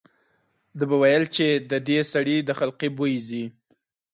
ده به ویل چې د دې سړي د خلقي بوی ځي.